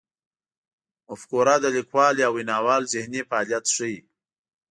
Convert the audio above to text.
مفکوره د لیکوال یا ویناوال ذهني فعالیت ښيي.